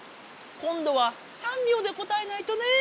こんどは３秒で答えないとねえ。